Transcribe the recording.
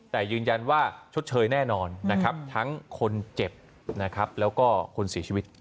แต่ยืนยันว่าชดเชยแน่นอนนะครับทั้งคนเจ็บนะครับแล้วก็คนเสียชีวิต